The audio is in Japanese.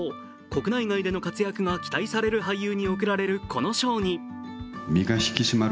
国内外での活躍が期待される俳優に贈られる、この賞に。